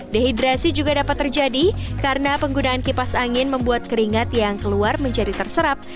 dehidrasi juga dapat terjadi karena penggunaan kipas angin membuat keringat yang keluar menjadi terserap